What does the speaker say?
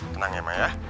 tenang ya ma ya